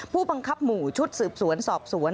ผู้บังคับหมู่ชุดสืบสวนสอบสวน